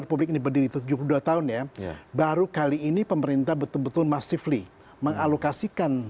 republik ini berdiri tujuh puluh dua tahun ya baru kali ini pemerintah betul betul massively mengalokasikan